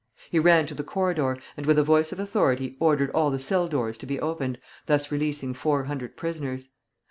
He ran to the corridor, and with a voice of authority ordered all the cell doors to be opened, thus releasing four hundred prisoners.